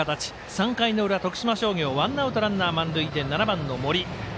３回の裏、徳島商業ワンアウト、ランナー、満塁で７番、森。